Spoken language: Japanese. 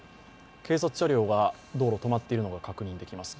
警察車両が道路に止まっているのが確認できます。